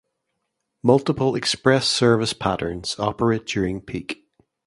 Multiple express service patterns operate during peak.